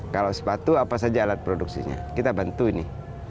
kalau sepatu apa saja alat produksinya kita bantu ini